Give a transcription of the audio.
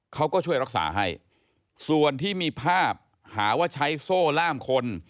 เขาก็ช่วยรักษาให้ส่วนที่มีภาพหาว่าใช้โซ่ล่ามคน